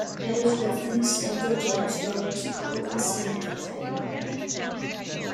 It is also referenced in the James Rollins novel, The Seventh Plague.